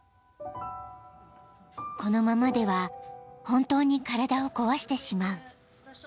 ［このままでは本当に体を壊してしまう］